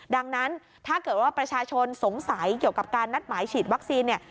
ดังนั้นถ้าเกิดว่าประชาชนสงสัยเกี่ยวกับการนัดหมายฉีดวัคซีนเนี่ย